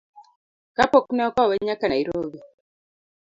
Kapok ne okowe nyaka Nairobi.